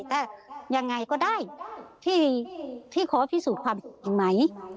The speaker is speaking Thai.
แต่ยังไงก็ได้ที่ขอพิสูจน์ความหมาย